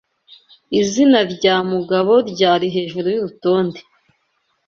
Izina rya Mugabo ryari hejuru yurutonde.